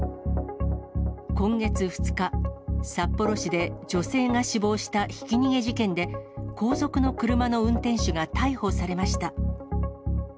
今月２日、札幌市で女性が死亡したひき逃げ事件で、後続の車の運転手が逮捕されました。